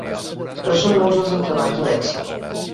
Però són molts els entrebancs a vèncer.